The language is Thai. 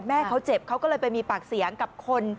แม่เขาเจ็บเขาก็เลยไปมีปากเสียงกับคน